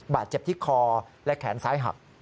บาดเจ็บที่คอและแขนซ้ายหัก